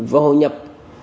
và hội nhập